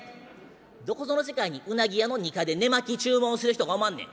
どこぞの世界にうなぎ屋の２階で寝巻き注文する人がおまんねん。